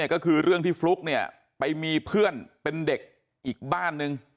ก็คือเรื่องที่ฟลุ๊กเนี่ยไปมีเพื่อนเป็นเด็กอีกบ้านนึง